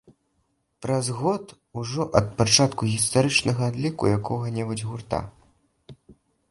Праз год ужо ад пачатку гістарычнага адліку якога-небудзь гурта.